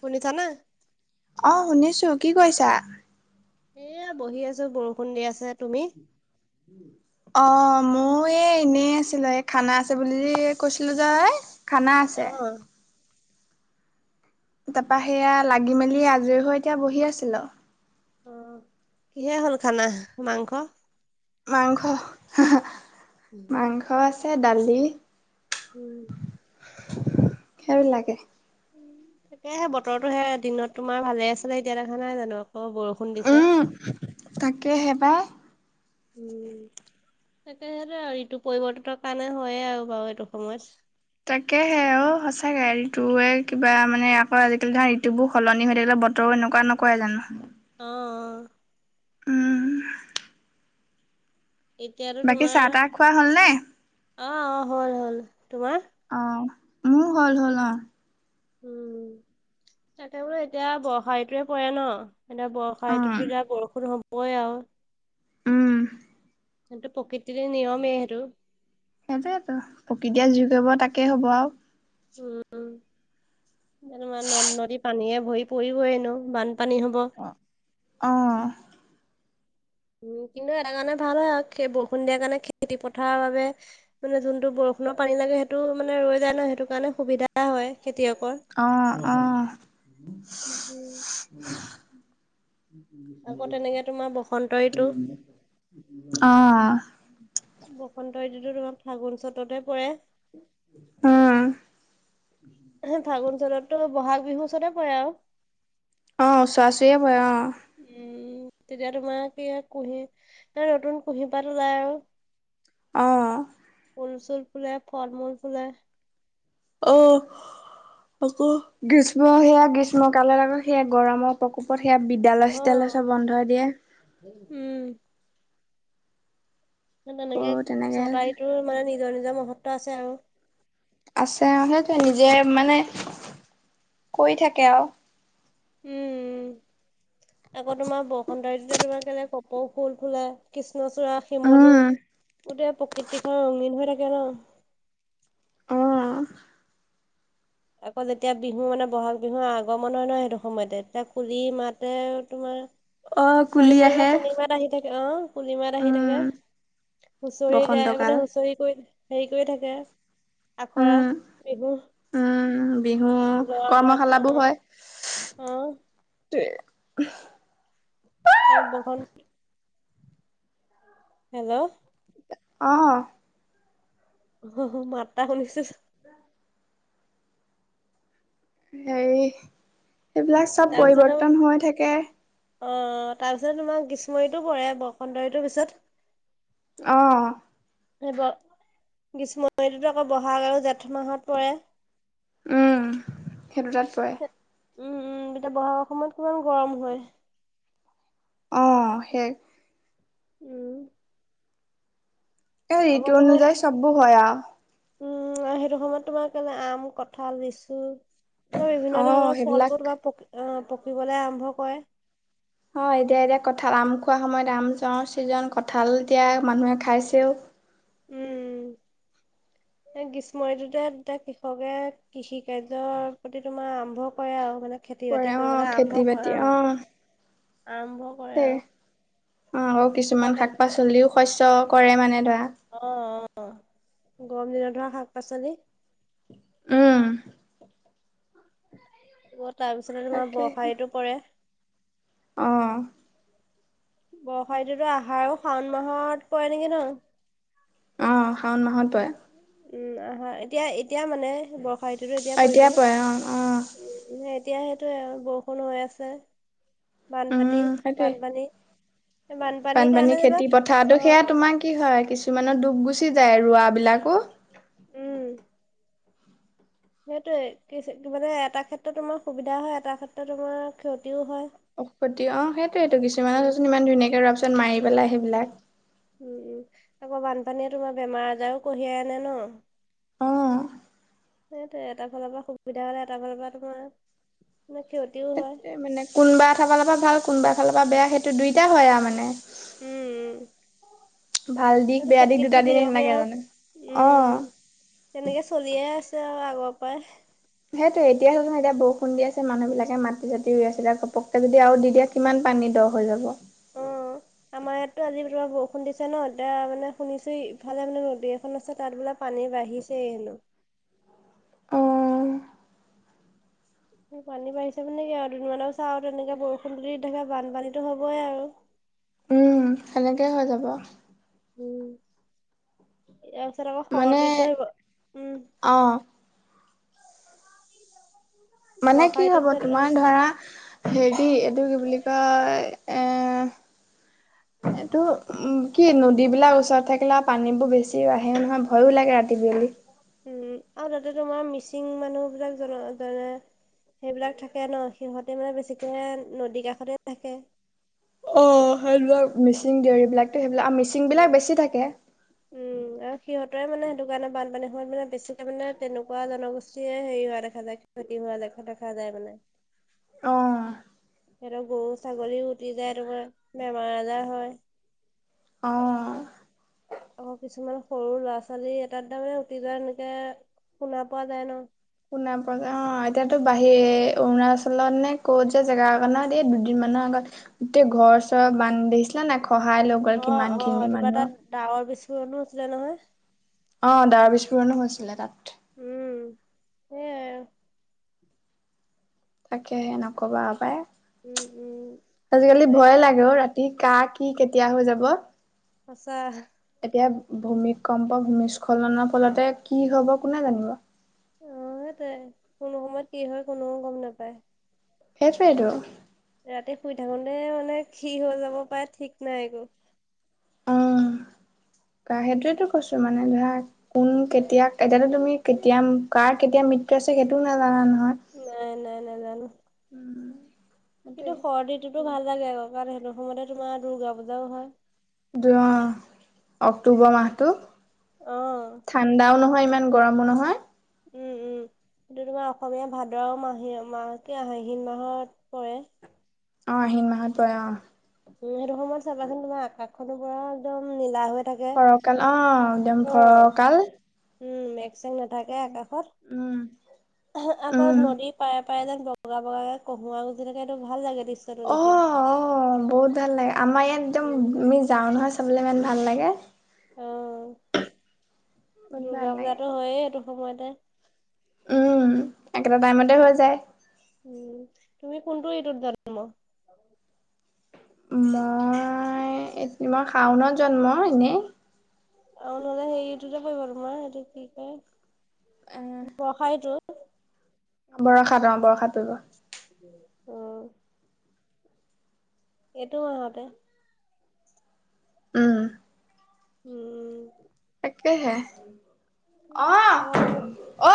শুনিছানে? অঁ শুনিছোঁ কি কৰিছা? এ বহি আছো বৰষুণ দি আছে, তুমি? [unintelligible] অ মই এই এনেই আছিলো এই খানা আছে বুলি কৈছিলো যে খানা অ', আছে। তাপা সেয়া লাগি মেলি আজৰি হৈ এতিয়া বহি আছিলো। অ কিহে হ'ল খানা মাংস? মাংস মাংস আছে দালি উম'। সেইবিলাকে। তেতিয়া সেই বতৰতো সে দিনত তোমাৰ ভালে আছিলে এতিয়া দেখা নাই জানো আকৌ বৰ উম তাকেহে পাই। উম। তাকে সেইটো আও ৰিটো পৰিৱৰ্তনৰ কাৰণে হয়য়ে আৰু বাৰু এইটো সময়ত। তাকে হে অ সঁচাকে ঋতুৱে কিবা মানে আকৌ আজিকালি ধৰা ঋতু বোৰ সলনি হৈ থাকিলে বত ৰ এনেকুৱা নকৰে জানো। অ। উম। এতিয়াতো বাকী চাহ তোমাৰ তাহ খোৱা হ'লনে? অ অ হ'ল হল। তোমাৰ? অ' মোৰ হ'ল হ'ল অ'। উম তাকে বোলো এতিয়া বৰ্ষা ঋতুৱে পৰে ন। এতিয়া বৰ্ষা অ ঋতুটো এতিয়া বৰষুণ হ'বই আৰু। উম সেইটো প্ৰকৃতিৰ নিয়মেই সেইটো। সেইটোৱেয়েতো প্ৰকৃতিয়ে যি কৰিব তাকেই হ'ব আৰু। উম' নদ নদী পানীয়েে ভৰি পৰিবই এনো বানপানী হ'ব। অহ। উম কিন্তু এটা কাৰণে ভাল হয় আৰু বৰষুণ দিয়াৰ কাৰণে খেতি পথাৰৰ বাবে মানে যোনটো বৰষুণৰ পানী লাগে সেইটো মানে ৰৈ যায় ন সেইটো কাৰণে সুবিধা হয় খেতিয়কৰ। অহ অহ। উম, আকৌ তেনেকে তোমাৰ বসন্ত ঋতু আহ। বসন্ত ঋতুতো তোমাৰ ফাগুন চ'ততে পৰে। হম। ফাগুন, চ'টতো বহাগ বিহুৰ ওচতে পৰে আৰু। অ ওচৰা-ওচৰি পৰে অ। উম' তেতিয়া তোমাৰ কি হয় কুঁহি নতুন কুঁহি পাত উলাই আৰু। অহ। ফুলচুল ফুলে ফলমূল ফুলে। অহ। অকো গ্ৰীষ্ম সেয়া গ্ৰীষ্মকালত আকৌ সেয়া গৰমৰ প্ৰকোপত সেয়া বি- ডালচ-তেলচ অ', চৱ বন্ধ দিয়ে। উম' আকৌ তেনেকে তেনেকে ছটা ৰীতুৰো মানে নিজৰ নিজৰ মহত্ব আছে আৰু। আছে আ সেইটোৱেই নিজে মানে, কৰি থাকে আঔ। উম্। আকৌ তোমাৰ বসন্ত ঋতু তোমাৰ কেলে কপৌ ফুল ফুলে কৃষ্ণচূড়া, শিমলু। উম, গোটেই প্ৰকৃতিখন ৰঙীন হৈ থাকে বাৰু। অঁ আকৌ যেতিয়া বিহু মানে বহাগ বিহুৰ আগমন হয় ন' সেইটো সময়তে তেতিয়া কুলি মাতে তোমাৰ অ', কুলি চাৰিওফালে আহে কুলি মাত আহি থাকে আৰু, কুলি মাত আহি উম, থাকে। হুঁচৰি গায় বসন্তকাল মানে হুঁচৰি কৰি, হেৰি কৰি থাকে আখৰা উম, এইবো উম' বিহু অ কৰ্মশালাবোৰ হয়। অ এ বৰষুণ হেল্লৌ অঁ মাত টা শুনিছো। হেৰি, এইবিলাক চব তাৰপিছত আৰু পৰিৱৰ্তন হৈ থাকে। অ অ তাৰপিছত তোমাৰ গ্ৰীষ্ম ঋতু পৰে বসন্ত ঋতুৰ পিছত। অঁ সেটোৱে, গ্ৰীষ্ম ঋতুটো আকৌ ব'হাগ আৰু জেঠ মাহত পৰে। উম্ সে দুটাত পৰে। উম-উম তাপা অসমত কিমান গৰম হয়? অ' শেষ উম এই ঋতু অনুযায়ী চববোৰ হয় আও। উম্ সেইটো সময়ত তোমাৰ কেলে আম, কঠাল, লিচু বৰ বিভিন্ন অ', ধৰণৰ সেইবিলাক ফলবোৰক পক আহ পকিবলে আৰম্ভ কয়ে। অ', এতিয়া এতিয়া কঁঠাল, আম খোৱা সময়ত আম, ছ' ছিজন কঁঠাল এতিয়া মানুহে খাইছেও। উম্ [inaudible] এ গ্ৰীষ্ম ঋতুতে তা কৃষকে কৃষি কাৰ্যৰ প্ৰতি তোমাৰ আৰম্ভ কৰে আৰু মানে কৰে খেতি-বাতি অ', কৰিবলৈ খেতি আৰম্ভ কৰে বাতি আৰু। অ', আৰম্ভ কৰে আৰু অ' উ আকৌ কিছুমান তেন শাক-পাচলিও শস্য কৰে মানে ধৰা অ', অ'। গৰম দিনত ধৰা শাক-পাচলি উম্। আকৌ তাৰপিছতে তোমাৰ তাকে বৰ্ষা ঋতু পৰে। অ' বৰ্ষা ঋতুতো আহাৰ আৰু শাওণ মাহত পৰে নেকি ন? অ', শাওণ মাহত পৰে। উম আহা এতিয়া এতিয়া মানে বৰ্ষা ঋতুতো এতিয়া পৰিব। পৰে অ', অ', এতিয়া সেইটোৱে আৰু বৰষুণ হৈ আছে। উম, বানপাটী- সেইটোৱে। বানপানী। বানপানীৰ বানপানী কাৰণে যেনিবা খেতি পথাটো সেয়া অ তোমাৰ কি হয়- কিছুমানৰ দুৱ গুচি যায় ৰোৱা বিলাকো। উম্। সেইটোৱে, কিবাটা এটা ক্ষেত্ৰত তোমাৰ সুবিধা হয় এটা ক্ষেত্ৰত তুমাৰ ক্ষতিও হয়। অ ক্ষতি অঁ সেইটোয়েইটো, উম কিছুমানতচোন ইমান ধুনীয়াকে ৰতচত মাৰি পেলাই সেইবিলাক উম উম, আকৌ বানপানীয়ে তোমাৰ বেমাৰ আজাৰো কঢ়িয়াই আনে ন। সেইটোৱেই এটা ফালৰ পৰা সুবিধা হলে এটা ফালৰ পৰা তোমাৰ [inaudible] ক্ষতিও হয় সেইটোৱে মানে কোনোবা এটাফালৰ পৰা ভাল, কোনোবা এফালৰ পৰা বেয়া। সেইটো দুইটা হয় আৰু মানে। উম, উম। ভাল দিশ এইটো বেয়া দিশ দুটা প্ৰকৃতিৰ দিশ নিয়মে নাথাকে আৰু, জানো। অ উম। তেনেকে চলিয়ে আছে আৰু আগৰ পৰাই। সেইটো এতিয়া ন এতিয়া বৰষুণ দি আছে মানুহ বিলাকে মতি চাতি ৰুই আছিলে ঘপককে যদি আৰু দি দিয়ে ইমান পানী দ' হৈ যাব। অ আমাৰ ইয়াততো আজি বৰষুণ দিছে ন, এতিয়া মানে শুনিছো ইফালে মানে নদী এখন আছে তাত বোলে পানী বাঢ়িছে হেনো। পানী বাঢ়িছে মানে কি আৰু দুদিনমানৰ চা আৰু তেনেকে বৰষুণ দি থাকে বানপানীতো হবই আৰু। উম সেনেকে হৈ যাব। উম ইয়াৰ পিছত আকৌ মানে শৰত ঋতু আহিব, উম। অ', মানে বৰ্ষা কি ঋতুৰ হব পিছত তোমাৰ ধৰা হেৰি এইটো কি বুলি কয়, এ' এইটো উম। কি নদীবিলাক ওচৰত থাকিলে আৰু পানীবোৰ বেছি আহে নহয় ভয়ো লাগে ৰাতি বিয়লি। উম, আৰু তাতে তোমাৰ মিচিং মানুহ বিলাক জন যেনে সেইবিলাক থাকে ন, সিহঁতে মানে বেছিকৈ নদীৰ কাষতে থাকে। অ', সেইবিলাক মিচিং, উম। দেউৰীবিলাকটো সেইবিলাক আৰু মিচিং বিলাক বেছি থাকে। উম আৰু সিহঁতে মানে সেইটো কাৰণে বানপানী সময়ত মানে বেছিকে মানে তেনেকুৱা জনগোষ্ঠীয়েে হেৰি হোৱা দেখে দেখা যায় ক্ষতি হোৱা দেখা - দেখা যায় মানে। অঁ। সিহঁতৰ গৰু- ছাগলীও উটি যায় তোমাৰ বেমাৰ আজাৰ হয়। অঁ। আকৌ কিছুমান সৰু ল'ৰা - ছোৱালী এটাত তাৰ মানে উটি যোৱা এনেকে শুনা পোৱা যায় ন। শুনা পোৱা যায়। অ, এতিয়াতো বাহিৰ অৰুণাচলত নে ক'ত যে জেগা একণত এই দুদিন মানৰ আগত গোটেই ঘৰ - চৰ বান্ধিছিলা নে নাই সহায় লগ অ' অ' তোমাৰ তাত ডাৱৰ বিস্ফোৰণো হৈছিলে নহয়। অ', ডাৱৰ বিস্ফোৰণো হৈছিলে তাত। উম, সেয়াই আৰু। তাকে সে নকবা আৰু উম, পায়, উম। আজিকালি একো ভয়ে লাগেও ৰাতি। কা কি কেতিয়া হৈ যাব। সঁচাহ। এতিয়া ভূমিকম্প, ভূমিস্খলনৰ ফলতে কি হ'ব কোনে জানিব? সেইটোৱেই, কোন সময়ত কি হয় কোনোও গম নাপায়। সেইটোৱেটো। ৰাতি শুই থাকোতে মানে কি হৈ যাব পাৰে ঠিক নাই একো। উম, সেইটোৱো কৈছোঁ মানে ধৰা কোন কেতিয়া, এতিয়াতো তুমি কেতিয়া কাৰ, কেতিয়া মৃত্যু আছে সেইটোও নাজানা নহয়। নাই নাই নাজানো। [unintelligible] কিন্তু, সেইটোৱে শৰ্দীটোতো ভাল লাগে কাৰণ সেইটো সময়তে তোমাৰ দুূৰ্গা পূজাও হয়। অ', অক্টোবৰ মাহটো। অ',। ঠাণ্ডাও নহয় ইমান গৰমো নহয় উম উম [unintelligible] এইটো তোমাৰ অসমীয়া ভাদ মাহ কি মাহ আহিন মাহত পৰে অ আহিন মাহত পৰে অ উম, সেইটো সময়ত চাবাচোন তোমাৰ আকাশ খনো পুৰা একদম নীলা হৈ থাকে। ফৰকাল অ একদম অ ফৰকাল উম মেকচেক নাথাকে আকাশত উম আগত উম নদীৰ পাৰে পাৰে যেন বগা বগাকে কহুৱা গজি থাকে, এইটো ভাল লাগে দৃশ্যটো অ দেখি। অ বহুত ভাল লাগে আমাৰ ইয়াত একদম আমি যাওঁ নহয় চাবলৈ ইমান ভাল লাগে উম, বহুত ভাল দুৰ্গা লাগে পূজাটো হয়েই এইটো সময়তে। উম একেটা টাইমতে হৈ যায় উম, তুমি কোনটো ঋতুত জন্ম। মই শাওণত জন্ম এনেই। আৰু নহ'লে হেৰিটো দেখোন নধৰে, সেইটো কি কয় বৰ্ষা ঋতুত। বৰষাত অ বৰষাত পৰিব উম। এইটো মাহতে উম। উম তাকেহে অ আকৌ তোমাৰ অ